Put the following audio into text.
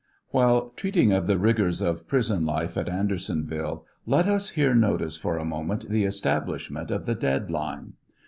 While treating of the rigors of prison life at Andersonville, let us here notice for a moment the establishment of the dead line.